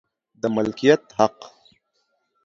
د مالکیت حق